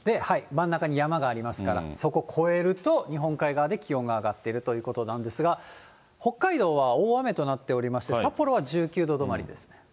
真ん中に山がありますから、そこ越えると、日本海側で気温が上がってるということなんですが、北海道は大雨となっておりまして、札幌は１９度止まりですね。